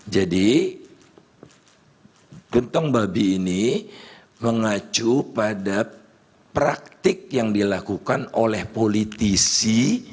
jadi gentong babi ini mengacu pada praktik yang dilakukan oleh politisi